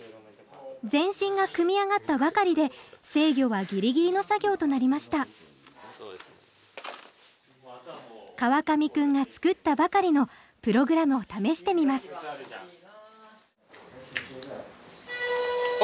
全身が組み上がったばかりで制御はギリギリの作業となりました河上くんが作ったばかりのプログラムを試してみますあ！